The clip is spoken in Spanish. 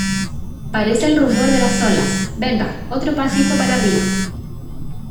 parece el rumor de las olas. venga, otro pasito para arriba .